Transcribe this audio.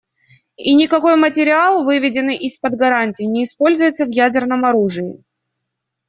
И никакой материал, выведенный из-под гарантий, не используется в ядерном оружии.